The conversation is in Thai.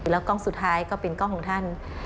แล้วกล้องสุดท้ายก็เป็นกล้องของท่าน